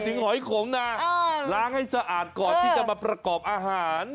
หอยขมนะล้างให้สะอาดก่อนที่จะมาประกอบอาหาร